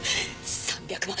３００万